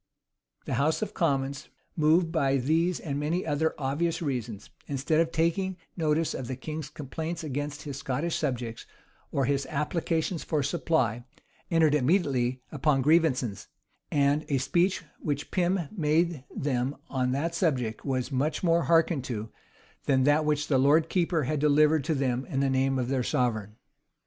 The house of commons, moved by these and many other obvious reasons, instead of taking notice of the king's complaints against his Scottish subjects, or his applications for supply, entered immediately upon grievances; and a speech which Pym made them on that subject was much more hearkened to, than that which the lord keeper had delivered to them in the name of their sovereign.